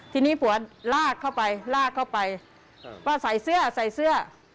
ทีนี้ผัวลากเข้าไปว่าใส่เสื้อ